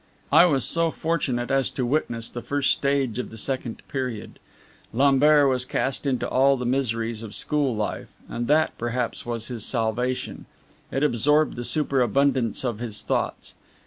I was so fortunate as to witness the first stage of the second period. Lambert was cast into all the miseries of school life and that, perhaps, was his salvation it absorbed the superabundance of his thoughts.